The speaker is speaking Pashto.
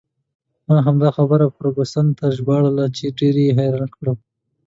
ما همدا خبره فرګوسن ته ژباړله چې ډېر یې حیرانه کړه.